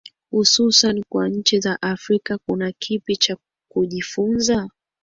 hususan kwa nchi za afrika kuna kipi cha kujifunza